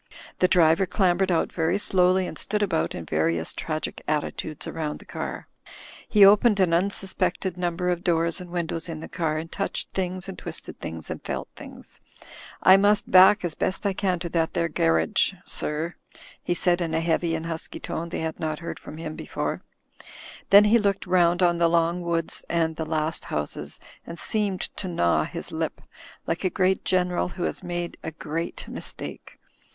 The driver clambered out very slowly, and stood about in various tragic attitudes round the car. He opened an unsuspected number of doors and windows in the car, and touched things and twisted things and felt things. "I must back as best I can to that there garrige, sir/' THE SONGS OF THE CAR CLUB 189 he said, in a heavy and husky tone they had not heard from him before* Then he looked round on the long woods and the last houses, and seemed to gnaw his lip, like a great general who has made a great mistake.